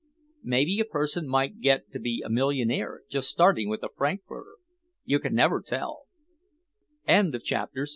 Maybe a person might get to be a millionaire just starting with a frankfurter, you never can tell...."